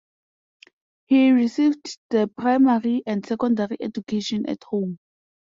He received the primary and secondary education at home.